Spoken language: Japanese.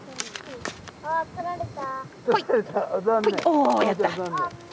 おやった。